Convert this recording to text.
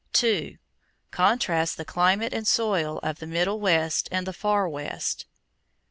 2. Contrast the climate and soil of the Middle West and the Far West.